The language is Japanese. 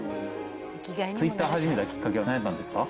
ツイッター始めたきっかけは、なんだったんですか？